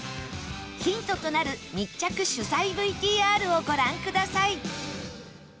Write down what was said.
ヒントとなる密着取材 ＶＴＲ をご覧ください